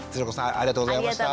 ありがとうございます。